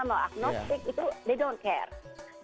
mau agnostik itu mereka tidak peduli